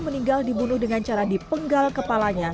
meninggal dibunuh dengan cara dipenggal kepalanya